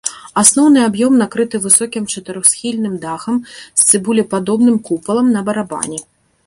Асноўны аб'ём накрыты высокім чатырохсхільным дахам з цыбулепадобным купалам на барабане.